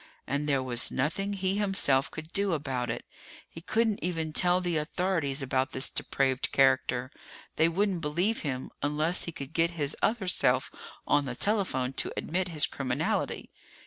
And there was nothing he himself could do about it! He couldn't even tell the authorities about this depraved character! They wouldn't believe him unless he could get his other self on the telephone to admit his criminality.